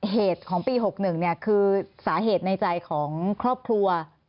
เหตุของปี๖๑คือสาเหตุในใจของครอบครัว